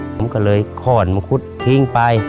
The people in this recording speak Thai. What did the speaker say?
ผมก็เลยค่อนมังคุดทิ้งไป